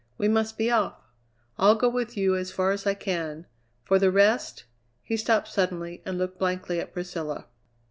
We must be off! I'll go with you as far as I can. For the rest " He stopped suddenly and looked blankly at Priscilla.